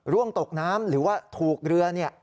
ร่วมตกน้ำหรือว่าถูกเรือเนี่ย